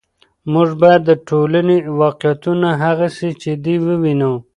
موږ باید د ټولنې واقعیتونه هغسې چې دي ووینو.